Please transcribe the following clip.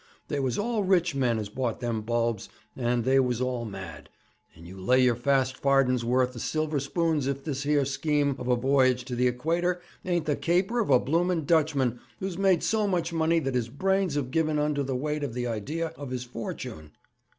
They was all rich men as bought them bulbs, and they was all mad; and you lay your last farden's worth of silver spoons if this here scheme of a voyage to the Equator ain't the caper of a blooming Dutchman who's made so much money that his brains have given under the weight of the idea of his fortune!'